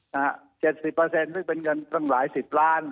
๗๐ซึ่งเป็นเงินตั้งหลายสิบล้าน